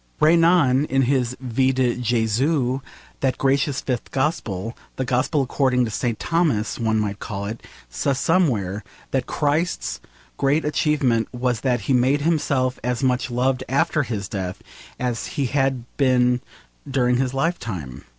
Renan in his Vie de Jesus that gracious fifth gospel, the gospel according to St. Thomas, one might call it says somewhere that Christ's great achievement was that he made himself as much loved after his death as he had been during his lifetime.